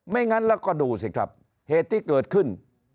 งั้นแล้วก็ดูสิครับเหตุที่เกิดขึ้น